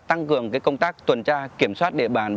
tăng cường công tác tuần tra kiểm soát địa bàn